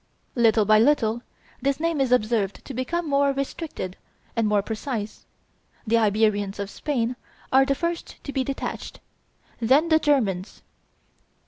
Little by little this name is observed to become more restricted and more precise. The Iberians of Spain are the first to be detached; then the Germans.